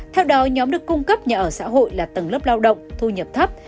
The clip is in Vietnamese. theo đó nhóm được cung cấp nhà ở xã hội là tầng lớp lao động thu nhập thấp